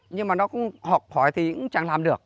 nhưng mà nó cũng học hỏi thì cũng chẳng làm được